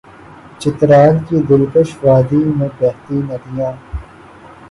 چترال کی دل کش وادی میں بہتی ندیاں